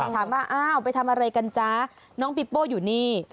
ถามว่าอ้าวไปทำอะไรกันจ๊ะน้องปีโป้อยู่นี่